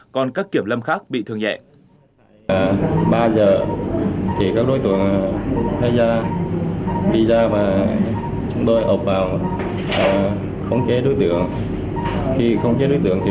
còn các kiểm lâm khác bị thương nhẹ